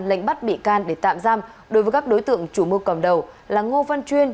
lệnh bắt bị can để tạm giam đối với các đối tượng chủ mưu cầm đầu là ngô văn chuyên